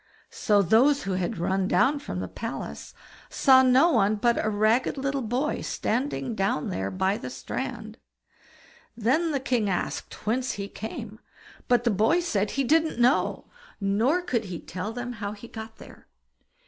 So those who had run down from the palace saw no one but a ragged little boy standing down there by the strand. Then the king asked whence he came, but the boy said he didn't know, nor could he tell them how he had got there.